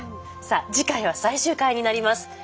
さあ次回は最終回になります。